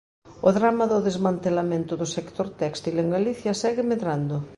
O drama do desmantelamento do sector téxtil en Galicia segue medrando.